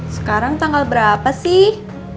sekarang tanggal berapa sih